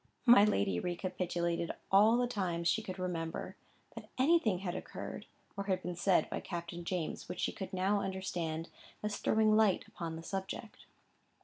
My lady recapitulated all the times she could remember, that anything had occurred, or been said by Captain James which she could now understand as throwing light upon the subject.